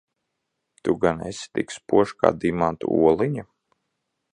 Tu gan esi tik spožs kā dimanta oliņa?